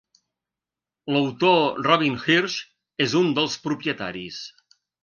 L'autor Robin Hirsch és un dels propietaris.